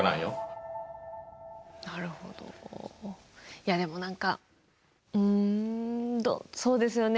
いやでも何かうんそうですよね